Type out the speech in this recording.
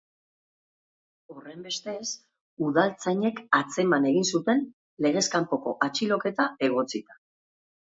Horrenbestez, udaltzainek atzeman egin zuten, legez kanpoko atxiloketa egotzita.